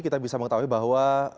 kita bisa mengetahui bahwa